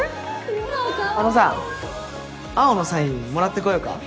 ・あのさ青のサインもらってこようか？